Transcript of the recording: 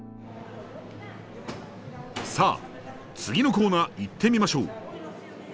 さあ次のコーナー行ってみましょう！